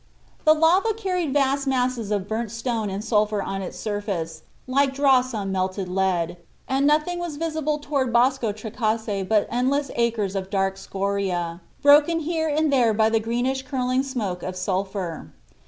The lava carried vast masses of burnt stone and sulphur on its surface, like dross on melted lead, and nothing was visible toward Bosco Trecase but endless acres of dark scoriae, broken here and there by the greenish, curling smoke of sulphur.